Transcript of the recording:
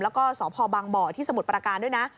แล้วก็สพบางบ่อที่สมุทรประการด้วยนะ